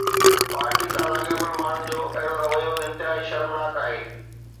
party سان لاڳاپيل ماڻهن جو اهڙو رويو انتهائي شرمناڪ آهي